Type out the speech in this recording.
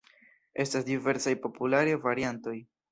Estas diversaj popularaj variantoj.